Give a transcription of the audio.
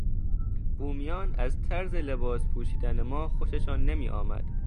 بومیان از طرز لباس پوشیدن ما خوششان نمیآمد.